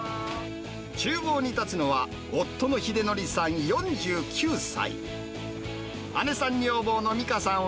ちゅう房に立つのは、夫の英紀さん４９歳。